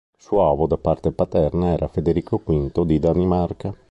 Suo avo da parte paterna era Federico V di Danimarca.